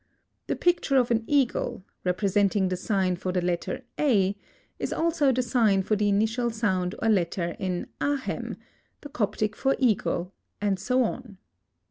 The picture of an eagle, representing the sign for the letter A, is also the sign for the initial sound or letter in Ahem, the Coptic for eagle, and so on.